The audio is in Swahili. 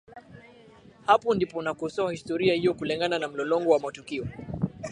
Hapo ndipo nakosoa historia hiyo kulingana na mlolongo wa matukio